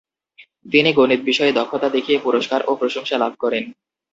তিনি গণিতে বিশেষ দক্ষতা দেখিয়ে পুরস্কার ও প্রশংসা লাভ করেন।